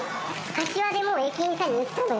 柏でも駅員さんに言ったのよ。